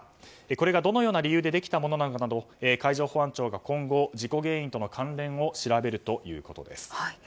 これがどのような理由でできたものなのかなど海上保安庁が今後事故原因との関連を調べるということです。